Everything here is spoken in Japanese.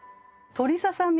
鶏ささみ。